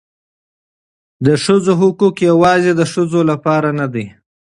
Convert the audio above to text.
د ښځو حقوق یوازې د ښځو لپاره نه دي.